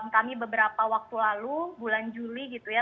kami beberapa waktu lalu bulan juli gitu ya